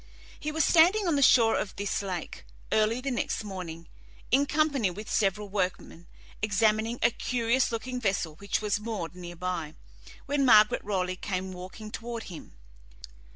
He was standing on the shore of this lake, early the next morning, in company with several workmen, examining a curious looking vessel which was moored near by, when Margaret Raleigh came walking towards him.